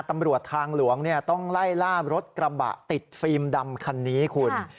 ตำรวจทางหลวงต้องไล่ล่ารถกระบะติดฟิล์มดำคันนี้คุณ